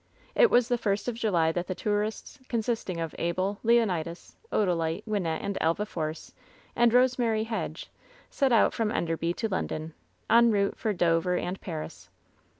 It was the first of July that the tourists, consisting of Abel, Leonidas, Odalite, Wynnette and Elva Force and Eosemary Hedge, set out from Enderby to London, en route for Dover and Paris.